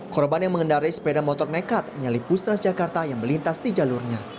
korban yang mengendarai sepeda motor nekat menyalip bus transjakarta yang melintas di jalurnya